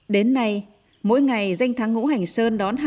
đến nay mỗi ngày danh tháng ngũ hành sơn đón hai